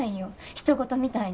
ひと事みたいに。